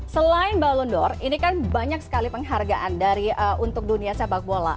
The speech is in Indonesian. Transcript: selain ballon d or ini kan banyak sekali penghargaan untuk dunia sepak bola